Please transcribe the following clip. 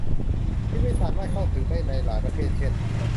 ที่ไม่สามารถเข้าถึงได้ในหลายประเทศเช่น